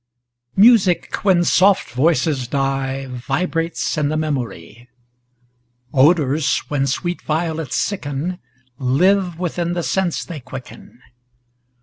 MUSIC, when soft voices die, Vibrates in the memory Odors, when sweet violets sicken, Live within the sense they quicken.